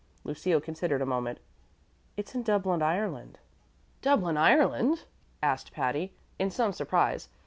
Lucille considered a moment. "It's in Dublin, Ireland." "Dublin, Ireland?" asked Patty, in some surprise.